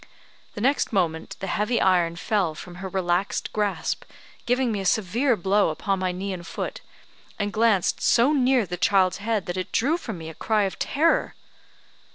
The next moment the heavy iron fell from her relaxed grasp, giving me a severe blow upon my knee and foot; and glanced so near the child's head that it drew from me a cry of terror.